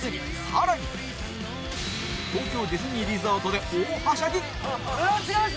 更に、東京ディズニーリゾートで大はしゃぎ。